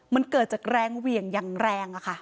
มันเกิดจากแรงเหวี่ยงอย่างแรง